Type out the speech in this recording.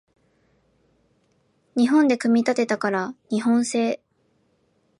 日本で組み立てたから日本製